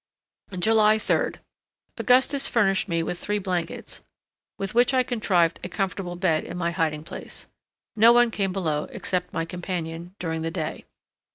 July 3. Augustus furnished me with three blankets, with which I contrived a comfortable bed in my hiding place. No one came below, except my companion, during the day.